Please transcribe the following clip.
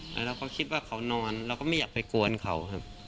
แล้วเราก็คิดว่าเขานอนเราก็ไม่อยากไปกวนเขาครับ